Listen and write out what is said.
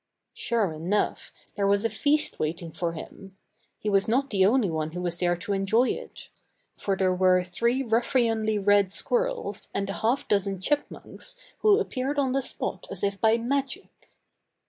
Sure enough! there was a feast waiting for him. He was not the only one who was there to enjoy it. For there were three ruffianly red squirrels and a half dozen chipmunks who appeared on the spot as if by magic.